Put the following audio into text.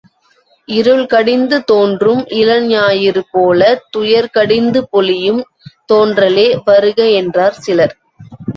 இருள் கடிந்து தோன்றும் இளஞாயிறு போலத் துயர் கடிந்து பொலியும் தோன்றலே வருக என்றார் சிலர்.